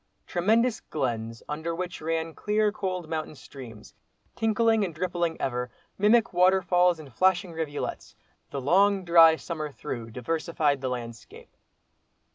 Tremendous glens, under which ran clear cold mountain streams, tinkling and rippling ever, mimic waterfalls and flashing rivulets, the long dry summer through diversified the landscape.